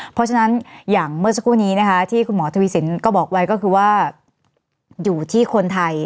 เพราะฉะนั้นอย่างเมื่อสักครู่นี้นะคะที่คุณหมอทวีสินก็บอกไว้ก็คือว่าอยู่ที่คนไทย